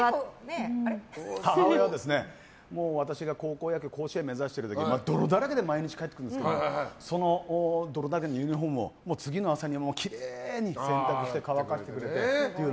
母親は、私が高校野球甲子園を目指している時に泥だらけで毎日、帰ってくるんですけどその泥だらけのユニホームを次の朝にきれいに洗濯して乾かしてくれてっていう。